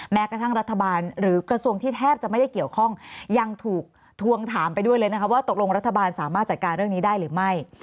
แม้กระทั่งรัฐบาลหรือกระทรวงที่แทบจะไม่ได้เกี่ยวข้องยังถูกทวงถามไปด้วยเลยนะคะว่าตกลงรัฐบาลสามารถจัดการเรื่องนี้ได้หรือไม่